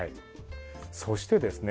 そしてですね